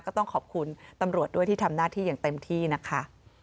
ก็ต้องขอบคุณตำรวจด้วยที่ทำหน้าที่อย่างเต็มที่นะคะ